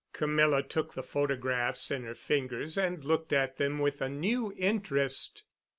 Camilla took the photographs in her fingers and looked at them with a new interest.